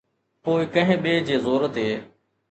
پوءِ ڪنهن ٻئي جي زور تي.